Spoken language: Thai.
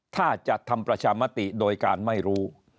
ถ้าจะทำประชามติโดยการไม่รู้